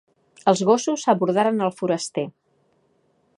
Els gossos abordaren el foraster.